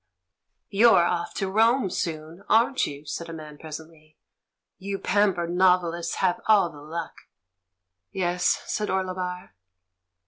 "You're off to Rome soon, aren't you?" said a man presently. "You pampered novelists have all the luck!"' "Yes," said Orlebar.